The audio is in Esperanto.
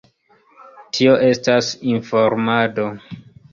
Tio estas informado.